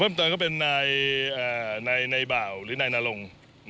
เพิ่มเติมก็เป็นนายบ่าวหรือนายนารง